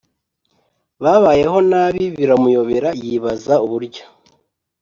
babayeho nabi biramuyobera yibaza uburyo